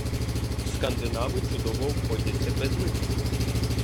Скандинави чудово обходяться без них.